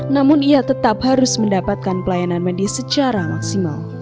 namun ia tetap harus mendapatkan pelayanan medis secara maksimal